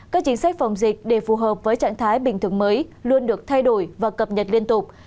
các chính sách phòng dịch để phù hợp với trạng thái bình thường mới luôn được thay đổi và cập nhật liên tục